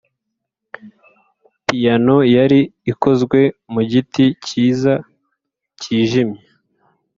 piyano yari ikozwe mu giti cyiza, cyijimye.